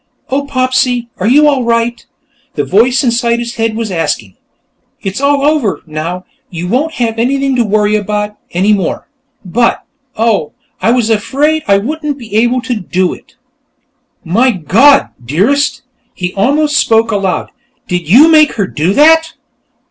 "Oh, Popsy, are you all right?" the voice inside his head was asking. "It's all over, now; you won't have anything to worry about, any more. But, oh, I was afraid I wouldn't be able to do it!" "My God, Dearest!" He almost spoke aloud. "Did you make her do that?"